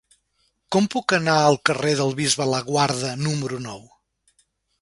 Com puc anar al carrer del Bisbe Laguarda número nou?